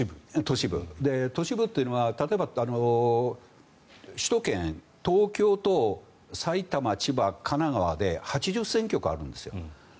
都市部というのは首都圏東京と埼玉、千葉、神奈川で８０選挙区あるんですよ。